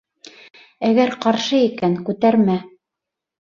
Әгәр ҡаршы икән -күтәрмә!